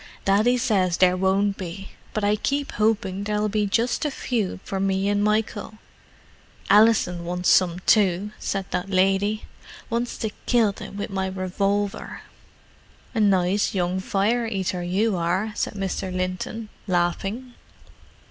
"Daddy says there won't be. But I keep hoping there'll be just a few for me and Michael.' "Alison wants some too," said that lady. "Wants to kill vem wiv my wevolver." "A nice young fire eater, you are," said Mr. Linton, laughing.